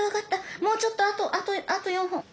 もうちょっとあと４本。